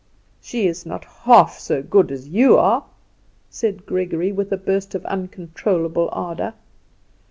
"She is not half so good as you are!" said Gregory, with a burst of uncontrollable ardour.